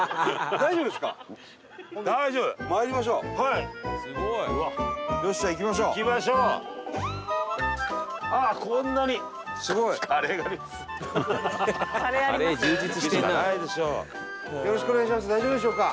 大丈夫でしょうか？